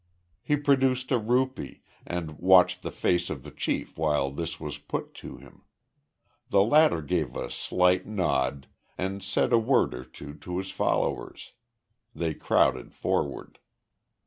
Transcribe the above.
He produced a rupee, and watched the face of the chief while this was put to him. The latter gave a slight nod, and said a word or two to his followers. They crowded forward.